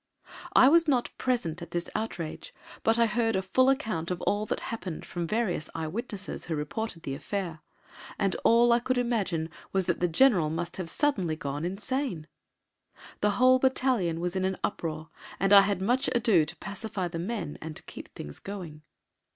I was not present at this outrage, but I heard a full account of all that happened from various eye witnesses who reported the affair, and all I could imagine was that the General must have suddenly gone insane. The whole battalion was in an uproar, and I had much ado to pacify the men and keep things going.